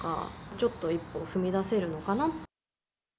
ちょっと一歩踏み出せるのかな。